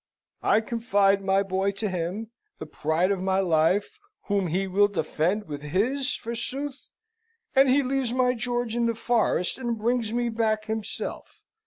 I confide my boy to him, the pride of my life, whom he will defend with his, forsooth! And he leaves my George in the forest, and brings me back himself!